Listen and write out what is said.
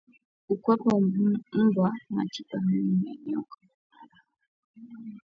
Kuwapa mbwa matibabu ya minyoo mara kwa mara